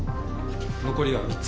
残りは３つ。